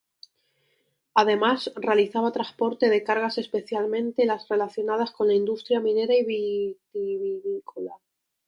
Además realizaba transporte de cargas especialmente las relacionadas con la industria minera y vitivinícola.